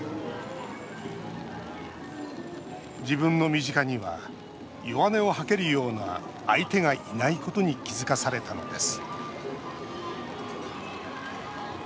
自分の身近には弱音を吐けるような相手がいないことに気付かされたのです